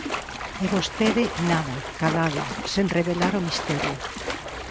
E vostede, nada, calado, sen revelar o misterio.